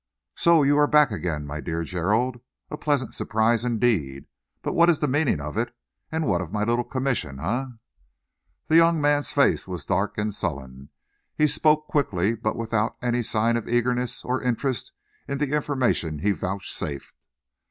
"So you are back again, my dear Gerald. A pleasant surprise, indeed, but what is the meaning of it? And what of my little commission, eh?" The young man's face was dark and sullen. He spoke quickly but without any sign of eagerness or interest in the information he vouchsafed.